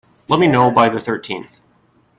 Let me know by the thirteenth.